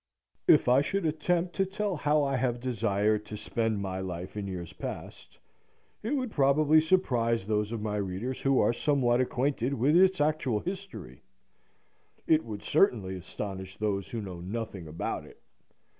If I should attempt to tell how I have desired to spend my life in years past, it would probably surprise those of my readers who are somewhat acquainted with its actual history; it would certainly astonish those who know nothing about it.